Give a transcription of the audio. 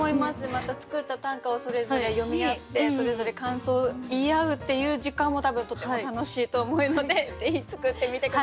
また作った短歌をそれぞれ読み合ってそれぞれ感想を言い合うっていう時間も多分とても楽しいと思うのでぜひ作ってみて下さい！